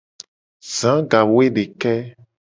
Za gawoedeke.